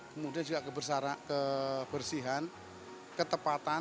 kemudian juga kebersihan ketepatan